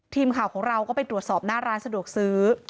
ทีมข่าวของเราก็ไปตรวจสอบหน้าร้านสะดวกซื้อ